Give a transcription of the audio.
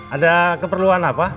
ada keperluan apa